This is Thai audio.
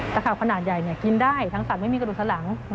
ข่าวขนาดใหญ่กินได้ทั้งสัตว์ไม่มีกระดูกสันหลัง